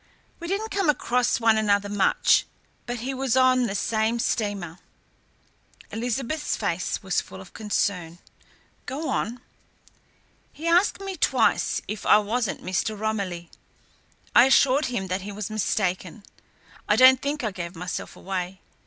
We didn't come across one another much, but he was on the steamer." Elizabeth's face was full of concern. "Go on." "He asked me twice if I wasn't Mr. Romilly. I assured him that he was mistaken. I don't think I gave myself away.